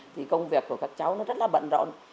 thì công việc của các cháu nó rất là bận rộn